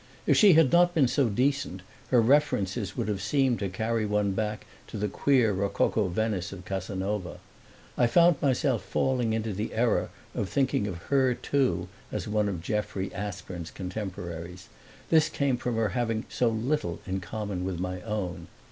If she had not been so decent her references would have seemed to carry one back to the queer rococo Venice of Casanova. I found myself falling into the error of thinking of her too as one of Jeffrey Aspern's contemporaries; this came from her having so little in common with my own.